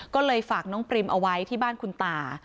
ก็เลยฝากน้องปริมเอาไว้ที่บ้านคุณตา